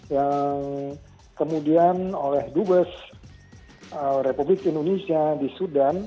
yang kemudian oleh dubes republik indonesia di sudan